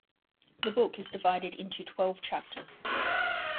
The book is divided into twelve chapters.